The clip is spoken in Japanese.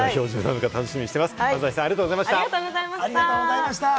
安斉さん、ありがとうございました。